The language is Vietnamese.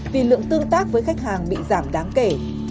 vì lượng tương tác với khách hàng bị giảm đáng kể